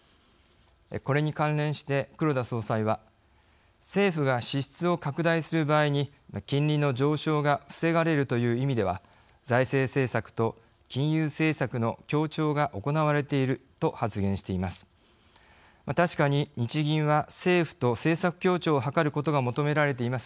これに関連して黒田総裁は「政府が支出を拡大する場合に金利の上昇が防がれるという意味では財政政策と金融政策の協調が行われている」と発言しています。